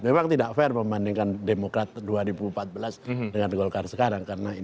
memang tidak fair membandingkan demokrat dua ribu empat belas dengan golkar sekarang